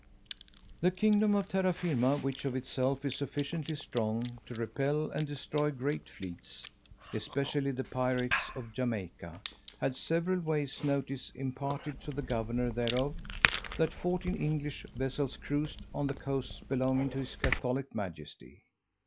_ THE kingdom of Terra Firma, which of itself is sufficiently strong to repel and destroy great fleets, especially the pirates of Jamaica, had several ways notice imparted to the governor thereof, that fourteen English vessels cruised on the coasts belonging to his Catholic Majesty.